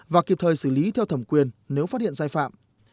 và kịp thời xử lý theo thẩm quyền nếu phát hiện sai phạm